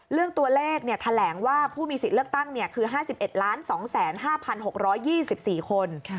เรื่องตัวเลขแถลงว่าผู้มีสิทธิ์เลือกตั้งคือ๕๑๒๕๖๒๔คน